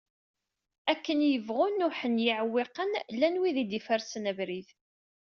Akken yebɣu nuḥen yiɛewwiqen, llan wid i d-iferrsen abrid.